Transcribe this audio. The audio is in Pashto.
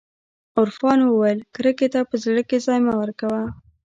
عرفان وويل کرکې ته په زړه کښې ځاى مه ورکوه.